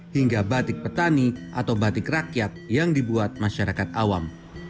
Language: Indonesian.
hingga batik petani atau batik rakyat yang dibuat masyarakat awam